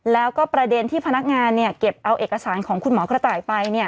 แล้วก็ประเด็นที่พนักงานเก็บเอาเอกสารของคุณหมอกระต่ายไป